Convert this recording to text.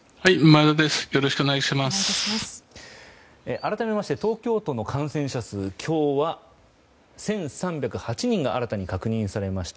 改めまして東京都の感染者数今日は１３０８人が新たに確認されました。